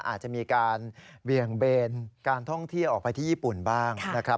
อาจจะมีการเบี่ยงเบนการท่องเที่ยวออกไปที่ญี่ปุ่นบ้างนะครับ